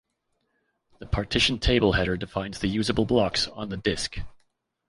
The partition table header defines the usable blocks on the disk.